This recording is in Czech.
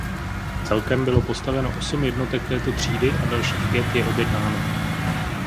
Celkem bylo postaveno osm jednotek této třídy a dalších pět je objednáno.